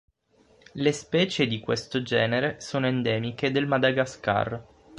Le specie di questo genere sono endemiche del Madagascar.